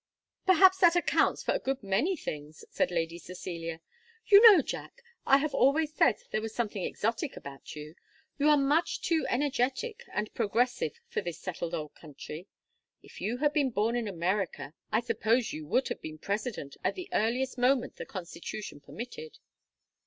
"Perhaps that accounts for a good many things," said Lady Cecilia. "You know, Jack, I have always said there was something exotic about you. You are much too energetic and progressive for this settled old country. If you had been born in America I suppose you would have been president at the earliest moment the constitution permitted."